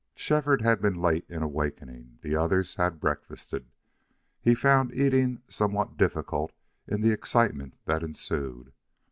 Shefford had been late in awakening. The others had breakfasted. He found eating somewhat difficult in the excitement that ensued.